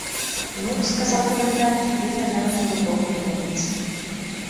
«Ну, – сказал комендант, – видно, нам от него толку не добиться.